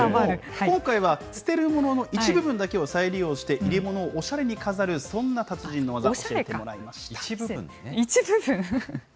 今回は捨てる物の一部分だけを再利用して入れ物をおしゃれに飾る、そんな達人の技、教えても一部分？